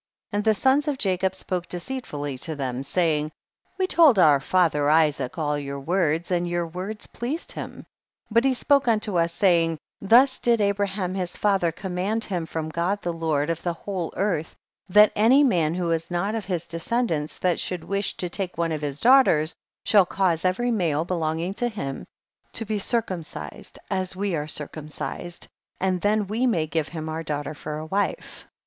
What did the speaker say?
41. And the sons of Jacob spoke deceitfully to them, saying, we told our father Isaac all your words, and your words pleased him, 42. But he spoke unto us, saying, thus did Abraham his father com mand him from God the Lord of the whole earth, that any man who is not of his descendants that should wish to take one of his daughters, shall cause every male belonging to him to be circumcised, as we are circum cised, and then we may give him our daughter for a wife.